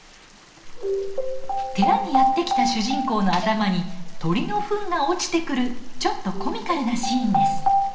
寺にやって来た主人公の頭に鳥のふんが落ちてくるちょっとコミカルなシーンです。